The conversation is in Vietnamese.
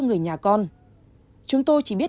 người nhà con chúng tôi chỉ biết